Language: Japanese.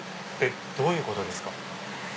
どういうことですか？